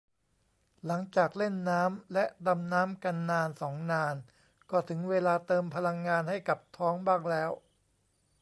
หลังจากเล่นน้ำและดำน้ำกันนานสองนาน ก็ถึงเวลาเติมพลังงานให้กับท้องบ้างแล้ว